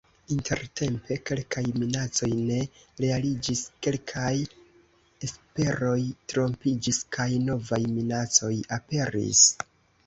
Intertempe kelkaj minacoj ne realiĝis, kelkaj esperoj trompiĝis, kaj novaj minacoj aperis.